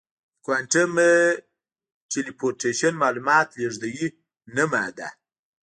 د کوانټم ټیلیپورټیشن معلومات لېږدوي نه ماده.